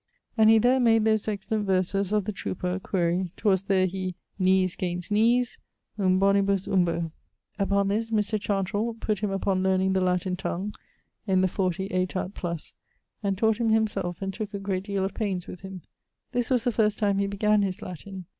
And he there made those excellent verses _of the Troupe_r (quaere). 'Twas there he.... knees 'gainst knees (umbonibus umbo). Upon this Mr. Chantrel[XXXIX.] putt him upon learning the Latin tongue (in the 40 aetat. +), and taught him himself and tooke a great deale of paines with him. This was the first time he began his Latin.